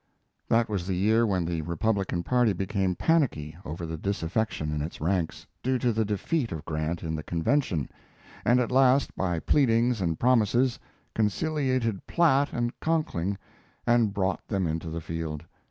That was the year when the Republican party became panicky over the disaffection in its ranks, due to the defeat of Grant in the convention, and at last, by pleadings and promises, conciliated Platt and Conkling and brought them into the field.